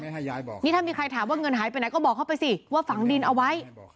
นี่ถ้ามีใครถามว่าเงินหายไปไหนก็บอกเขาไปสิว่าฝังดินเอาไว้